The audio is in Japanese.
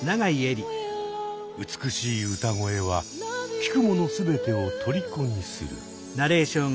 美しい歌声は聴くもの全てを虜にする。